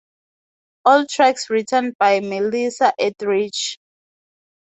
All tracks written by Melissa Etheridge.